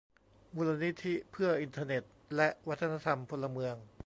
มูลนิธิเพื่ออินเทอร์เน็ตและวัฒนธรรมพลเมือง